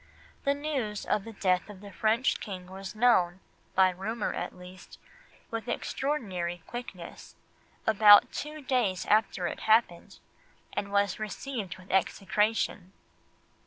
The news of the death of the French King was known, by rumour at least, with extraordinary quickness, about two days after it happened, and was received with execration.